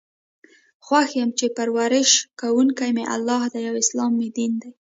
خوښ یم چې پر ورش کوونکی می الله دی او اسلام می دین دی.